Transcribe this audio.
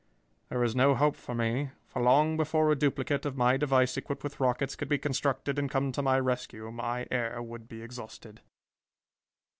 There is no hope for me, for long before a duplicate of my device equipped with rockets could be constructed and come to my rescue, my air would be exhausted.